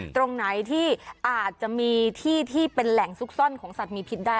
ตรงไหนที่อาจจะมีที่ที่เป็นแหล่งซุกซ่อนของสัตว์มีพิษได้